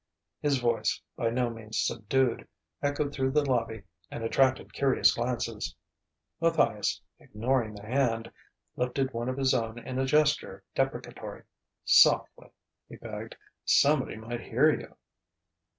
His voice, by no means subdued, echoed through the lobby and attracted curious glances. Matthias, ignoring the hand, lifted one of his own in a gesture deprecatory. "Softly!" he begged. "Somebody might hear you."